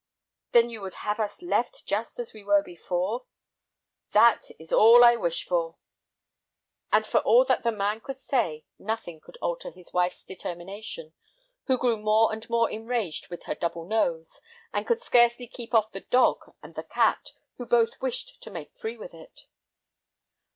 "Then you would have us left just as we were before?" "That is all that I wish for." And for all that the man could say, nothing could alter his wife's determination, who grew more and more enraged with her double nose, and could scarcely keep off the dog and the cat, who both wished to make free with it.